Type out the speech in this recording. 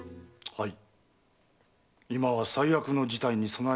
はい。